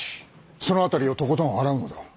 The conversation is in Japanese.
その辺りをとことん洗うのだ。